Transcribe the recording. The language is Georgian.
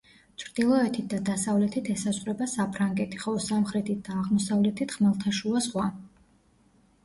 ჩრდილოეთით და დასავლეთით ესაზღვრება საფრანგეთი, ხოლო სამხრეთით და აღმოსავლეთით ხმელთაშუა ზღვა.